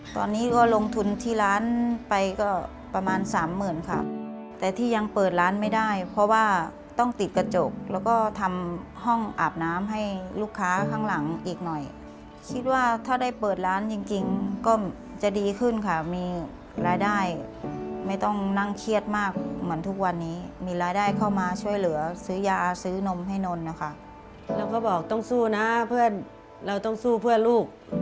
ตอนนี้ก็ลงทุนที่ร้านไปก็ประมาณสามหมื่นค่ะแต่ที่ยังเปิดร้านไม่ได้เพราะว่าต้องติดกระจกแล้วก็ทำห้องอาบน้ำให้ลูกค้าข้างหลังอีกหน่อยคิดว่าถ้าได้เปิดร้านจริงจริงก็จะดีขึ้นค่ะมีรายได้ไม่ต้องนั่งเครียดมากเหมือนทุกวันนี้มีรายได้เข้ามาช่วยเหลือซื้อยาซื้อนมให้นนท์นะคะเราก็บอกต้องสู้นะเพื่อนเราต้องสู้เพื่อลูก